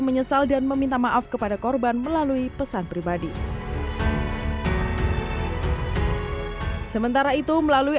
menyesal dan meminta maaf kepada korban melalui pesan pribadi sementara itu melalui